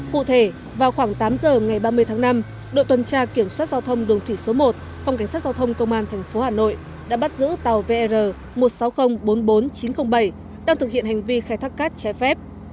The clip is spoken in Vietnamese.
cụ thể vào khoảng tám giờ ngày ba mươi tháng năm đội tuần tra kiểm soát giao thông đường thủy số một phòng cảnh sát giao thông công an tp hà nội đã bắt giữ tàu vr một mươi sáu nghìn bốn mươi bốn chín trăm linh bảy đang thực hiện hành vi khai thác cát trái phép